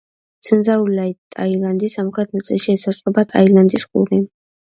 ცენტრალური ტაილანდი სამხრეთ ნაწილში ესაზღვრება ტაილანდის ყურე.